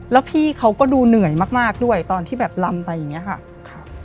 แล้วพี่เขาก็ดูเหนื่อยมากด้วยตอนที่แบบลำไปอย่างนี้ค่ะ